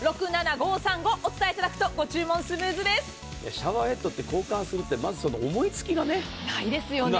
シャワーヘッドって交換するってまずその思いつきがないですよね。